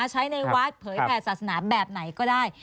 ใช้ในวัดเผยแผ่ศาสนาแบบไหนก็ได้